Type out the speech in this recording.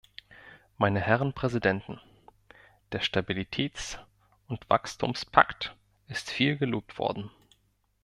Meine Herren Präsidenten! Der Stabilitätsund Wachstumspakt ist viel gelobt worden.